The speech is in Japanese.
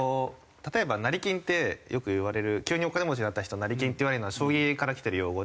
例えば成り金ってよくいわれる急にお金持ちになった人成り金っていわれるのは将棋からきてる用語で。